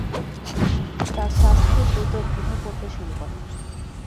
তাঁর স্বাস্থ্য দ্রুত ভেঙ্গে পড়তে শুরু করে।